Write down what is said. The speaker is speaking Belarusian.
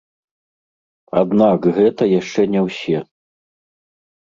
Аднак гэта яшчэ не ўсе.